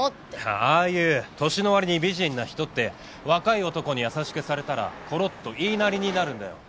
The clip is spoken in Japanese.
ああいう年のわりに美人な人って若い男に優しくされたらころっと言いなりになるんだよ。